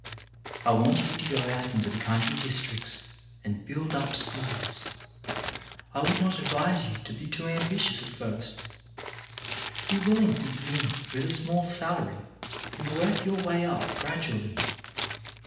I want you to go out into the country 2 9 o CHARACTER BUILDING districts and build up schools. I would not ad vise you to be too ambitious at first. E>e willing to begin with a small salary and work your way up gradually.